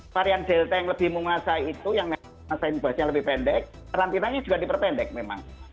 varian delta yang lebih mengasahi itu yang mengasahi bahasanya lebih pendek krantinanya juga diperpendek memang